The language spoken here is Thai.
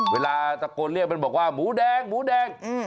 เวลาตะโกนเรียกมันบอกว่าหมูแดง